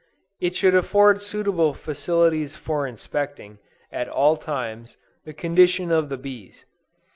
It should afford suitable facilities for inspecting, at all times, the condition of the bees.